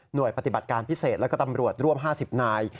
โดยปฏิบัติการพิเศษแล้วก็ตำรวจร่วม๕๐นาย